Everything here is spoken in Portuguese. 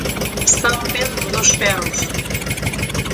São Pedro dos Ferros